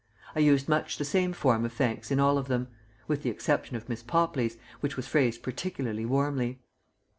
I used much the same form of thanks in all of them ... with the exception of Miss Popley's, which was phrased particularly warmly.